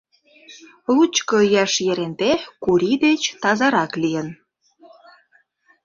Лучко ияш Еренте Кури деч тазарак лийын.